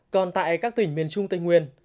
còn tại các tỉnh miền trung tây nguyên